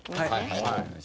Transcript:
はい。